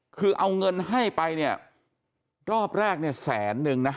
คือเอาเงินให้ไปรอบแรกแสนหนึ่งนะ